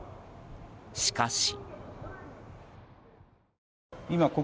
しかし。